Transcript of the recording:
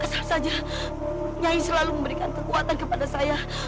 sah saja nyai selalu memberikan kekuatan kepada saya